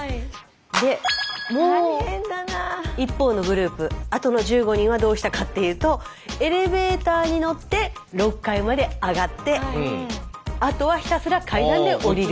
もう一方のグループあとの１５人はどうしたかっていうとエレベーターに乗って６階まで上がってあとはひたすら階段で下りる。